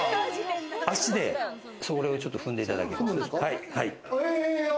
足でそれをちょっと踏んでいただきまして。